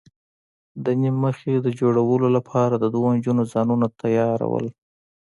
د نیم مخي د جوړولو لپاره دوو نجونو ځانونه تیاراول.